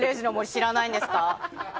知らないんですか？